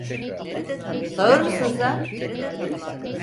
Sağır mısın sen?